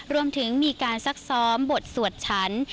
รวมถึงมีการซักซ้อมบทสวดฉัน